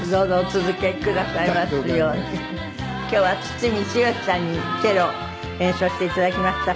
今日は堤剛さんにチェロを演奏して頂きました。